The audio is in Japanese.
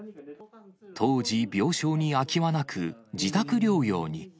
当時、病床に空きはなく、自宅療養に。